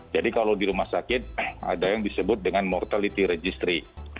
jadi kalau di rumah sakit ada yang disebut dengan mortality registry